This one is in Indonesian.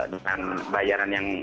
dengan bayaran yang